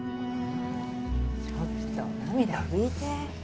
ちょっと涙拭いて。